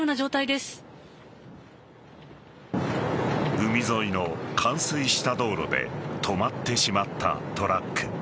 海沿いの冠水した道路で止まってしまったトラック。